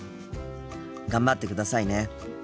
頑張ってくださいね。